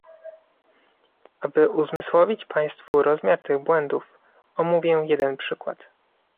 Aby uzmysłowić Państwu rozmiar tych błędów, omówię jeden przykład